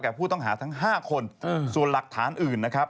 ผู้ต้องหาทั้ง๕คนส่วนหลักฐานอื่นนะครับ